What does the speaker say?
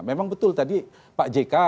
memang betul tadi pak jk